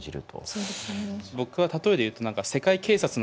そうですね。